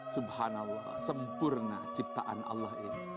subhanallah sempurna ciptaan allah ini